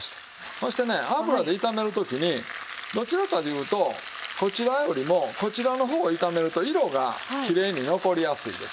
そしてね油で炒める時にどちらかというとこちらよりもこちらの方を炒めると色がきれいに残りやすいですね。